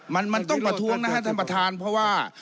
มันมันต้องประท้วงนะฮะท่านประธานเพราะว่า